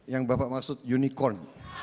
yang bapak maksud unicorn